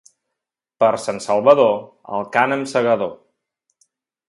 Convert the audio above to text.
Per Sant Salvador, el cànem segador.